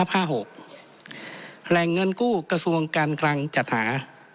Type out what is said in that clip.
แหล่งเงินกู้กระทรวงการคลังจัดหา